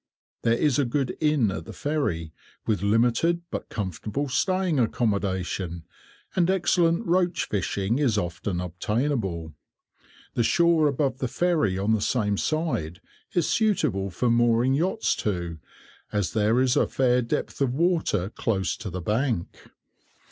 There is a good inn at the Ferry, with limited but comfortable staying accommodation; and excellent roach fishing is often obtainable. The shore above the Ferry on the same side is suitable for mooring yachts to, as there is a fair depth of water close to the bank.